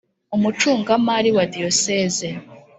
umucungamari wa diyoseze